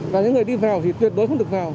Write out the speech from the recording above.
và những người đi vào thì tuyệt đối không được vào